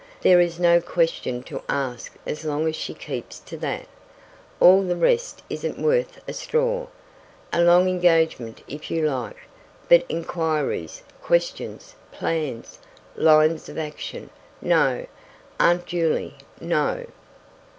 There is no question to ask as long as she keeps to that. All the rest isn't worth a straw. A long engagement if you like, but inquiries, questions, plans, lines of action no, Aunt Juley, no."